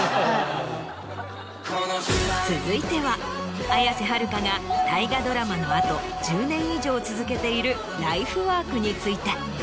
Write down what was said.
続いては綾瀬はるかが大河ドラマの後１０年以上続けているライフワークについて。